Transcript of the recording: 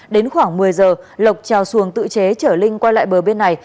đến khoảng một mươi h lộc trào xuồng tự chế chở linh quay lại bờ bên này